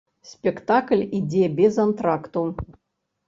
Спектакль ідзе без антракту.